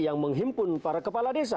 yang menghimpun para kepala desa